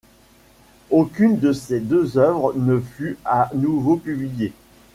Aucune de ces deux œuvres ne fut à nouveau publiée.